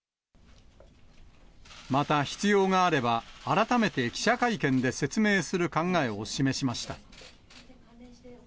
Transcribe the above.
また、必要があれば、改めて記者会見で説明する考えを示しました。